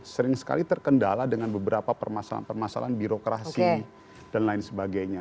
sering sekali terkendala dengan beberapa permasalahan permasalahan birokrasi dan lain sebagainya